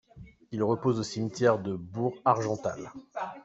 Il repose au cimetière de Bourg Argental.